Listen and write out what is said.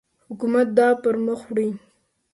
حکومت دا پرمخ وړي.